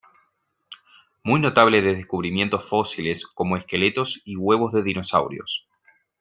Muy notable de descubrimientos fósiles como esqueletos y huevos de dinosaurios.